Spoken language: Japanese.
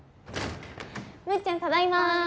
むっちゃんただいま。